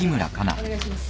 お願いします。